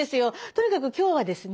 とにかく今日はですね